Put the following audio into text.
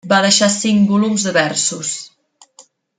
Va deixar cinc volums de versos.